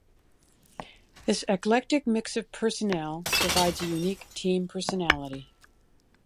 This eclectic mix of personnel provides a unique team personality.